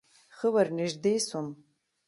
ښه ورنژدې سوم.